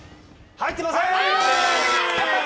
入ってません！